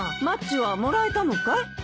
マッチはもらえたのかい？